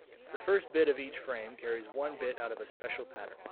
The first bit of each frame carries one bit out of a special pattern.